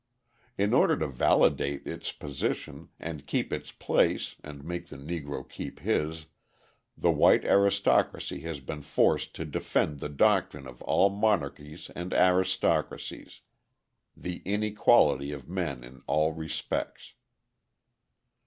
In order to validate its position and keep its place (and make the Negro keep his) the white aristocracy has been forced to defend the doctrine of all monarchies and aristocracies the inequality of men in all respects.